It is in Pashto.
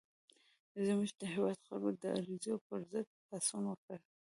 زموږ د هېواد خلکو د عربو پر ضد پاڅون وکړ.